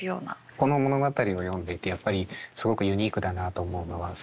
この物語を読んでいてやっぱりすごくユニークだなと思うのは作者の視点が。